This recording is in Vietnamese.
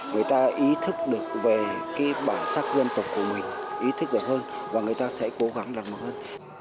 người ta ý thức được về cái bản sắc dân tộc của mình ý thức được hơn và người ta sẽ cố gắng làm mọi hơn